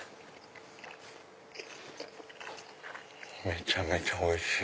めちゃめちゃおいしい！